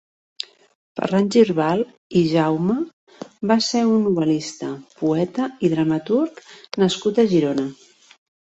Ferran Girbal i Jaume va ser un novel·lista, poeta i dramaturg nascut a Girona.